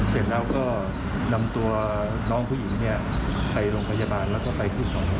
เสร็จแล้วก็นำตัวน้องผู้หญิงไปโรงพยาบาลแล้วก็ไปที่สพ